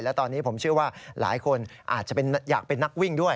และตอนนี้ผมเชื่อว่าหลายคนอาจจะอยากเป็นนักวิ่งด้วย